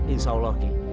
insya allah ki